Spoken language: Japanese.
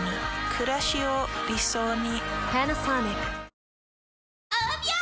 くらしを理想に。